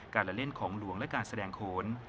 ละเล่นของหลวงและการแสดงโขน